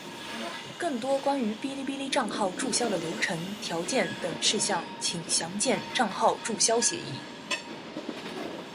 更多关于哔哩哔哩账号注销的流程、条件等事项请详见《账号注销协议》。